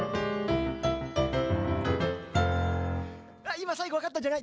今、最後分かったんじゃない？